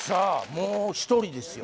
もう１人ですよ